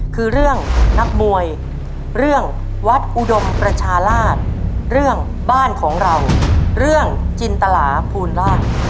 คือเรื่องนักมวยเรื่องวัดอุดมประชาราชเรื่องบ้านของเราเรื่องจินตลาภูลราช